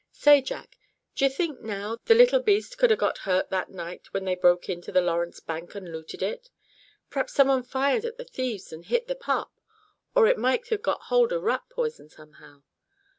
Say, Jack, d'ye think now, the little beast could a got hurt that night when they broke into the Lawrence bank and looted it? P'raps somebody fired at the thieves and hit the pup; or it might a got hold of rat poison somehow."